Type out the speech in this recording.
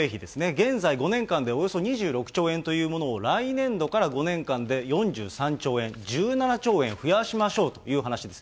現在、５年間でおよそ２６兆円というものを、来年度から５年間で４３兆円、１７兆円増やしましょうという話です。